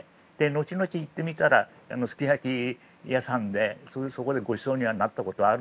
後々行ってみたらすき焼き屋さんでそこでごちそうにはなったことはあるんですが。